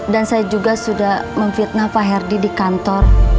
dan saya juga sudah memfitnah pak herdi di kantor